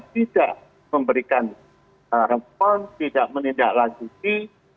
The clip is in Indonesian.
tidak memberikan respon tidak menindak lanjuti